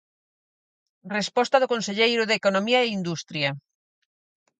Resposta do conselleiro de Economía e Industria.